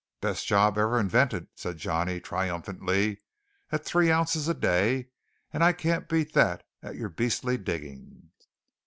"Best job ever invented," said Johnny triumphantly, "at three ounces a day; and I can't beat that at your beastly digging."